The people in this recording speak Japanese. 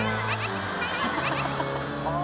ああ。